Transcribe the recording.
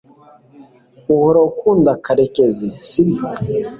uhora ukunda karekezi, sibyo